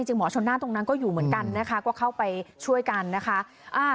หมอชนน่านตรงนั้นก็อยู่เหมือนกันนะคะก็เข้าไปช่วยกันนะคะ